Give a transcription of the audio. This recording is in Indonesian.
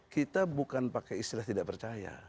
kita bukan pakai istilah tidak percaya